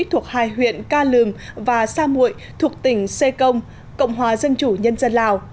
thuộc hai huyện ca lường và sa mụi thuộc tỉnh sê công cộng hòa dân chủ nhân dân lào